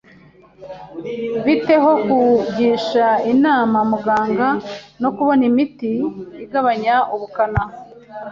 Bite ho kugisha inama muganga no kubona imiti igabanya ubukana?